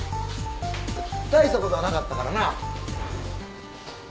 大したことはなかったからな。